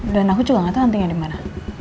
dan aku juga gak tau antingnya dimana